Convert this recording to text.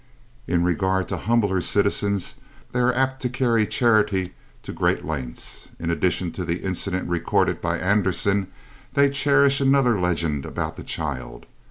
In regard to humbler citizens they are apt to carry charity to great lengths. In addition to the incident recorded by Andersen they cherish another legend about the child.